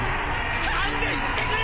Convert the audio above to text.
勘弁してくれ！